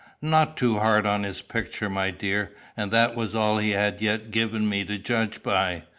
"Not too hard on his picture, my dear; and that was all he had yet given me to judge by.